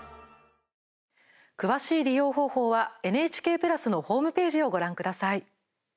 詳しい利用方法はＮＨＫプラスのホームページをご覧ください。